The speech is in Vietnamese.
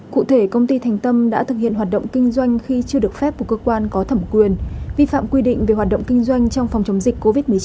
cụ thể công ty thành tâm đã thực hiện hoạt động kinh doanh khi chưa được phép của cơ quan có thẩm quyền vi phạm quy định về hoạt động kinh doanh trong phòng chống dịch covid một mươi chín